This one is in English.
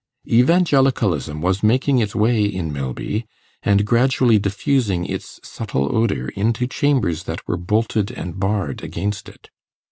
Evangelicalism was making its way in Milby, and gradually diffusing its subtle odour into chambers that were bolted and barred against it.